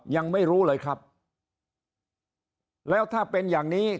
ยังไม่รู้เลยครับแล้วถ้าเป็นอย่างนี้